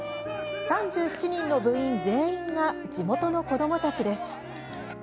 ３７人の部員全員が地元の子どもたちです。